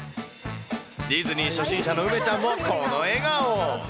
ディズニー初心者の梅ちゃんも、この笑顔。